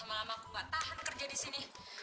lama lama aku gak tahan kerja disini